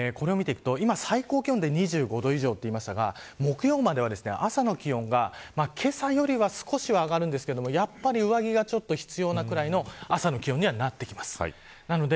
これを見ていくと、今最高気温で２５度以上と言いましたが木曜までは朝の気温がけさより少しは上がるんですがやっぱり上着が必要なぐらいの朝の気温にはなってきます。